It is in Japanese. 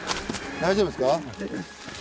大丈夫です。